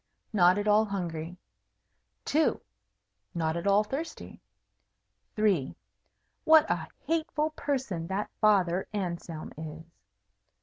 Not at all hungry. 2. Not at all thirsty. 3. What a hateful person that Father Anselm is!